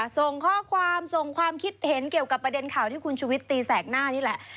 ส่งข้อความส่งความคิดเห็นเกี่ยวกับประเด็นข่าวที่คุณชุวิตตีแสกหน้านี่แหละ